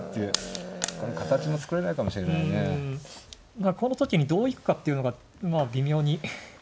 まあこの時にどう行くかっていうのが微妙に。